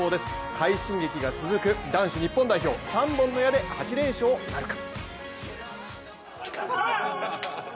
快進撃が続く男子日本代表、３本の矢で８連勝なるか。